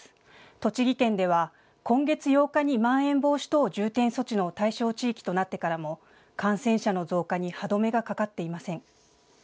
栃木県では今月８日にまん延防止等重点措置の対象地域となってからも感染者の増加に歯止めがかかっていません。